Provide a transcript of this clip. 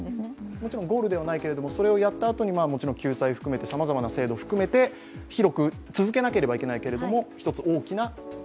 もちろんゴールではないけれども、それをやったあとに救済を含めてさまざまな制度を含めて、広く続けなければいけないけれども、１つ大きな。